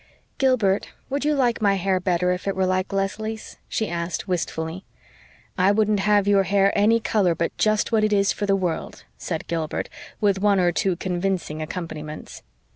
"Gilbert, would you like my hair better if it were like Leslie's?" she asked wistfully. "I wouldn't have your hair any color but just what it is for the world," said Gilbert, with one or two convincing accompaniments.